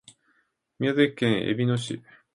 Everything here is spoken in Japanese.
宮崎県えびの市